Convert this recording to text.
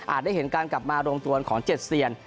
อาจได้เห็นการกลับมาโรงตัวของ๗เสียน